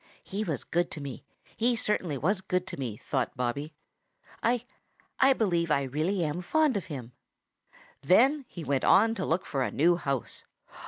"He was good to me. He certainly was good to me," thought Bobby. "I I believe I really am very fond of him." Then he went on to look for a new house.